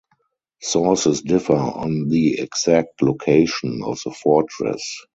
Sources differ on the exact location of the fortress.